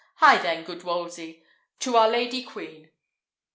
Hie then, good Wolsey, to our lady queen.